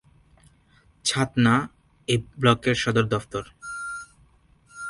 ছাতনা এই ব্লকের সদর দফতর।